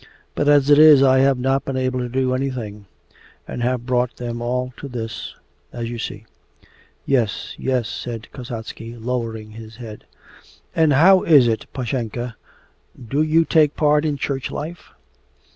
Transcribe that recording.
But as it is I have not been able to do anything, and have brought them all to this as you see.' 'Yes, yes,' said Kasatsky, lowering his head. 'And how is it, Pashenka do you take part in Church life?